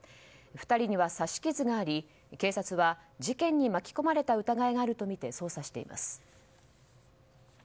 ２人には刺し傷があり警察は事件に巻き込まれた疑いがあるとみて捜査しています。